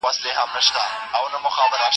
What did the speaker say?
کېدای سي تکړښت سخت وي.